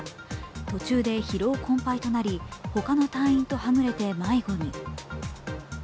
途中で疲労困ぱいとなり他の隊員とはぐれて迷子に。